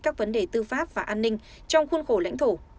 các vấn đề tư pháp và an ninh trong khuôn khổ lãnh thổ